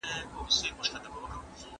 زه اوس چپنه پاکوم،